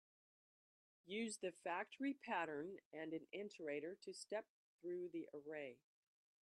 Use the factory pattern and an iterator to step through the array.